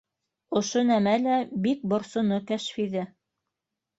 Ошо нәмә лә бик борсоно Кәшфиҙе